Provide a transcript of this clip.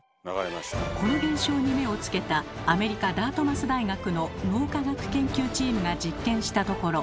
この現象に目をつけたアメリカダートマス大学の脳科学研究チームが実験したところ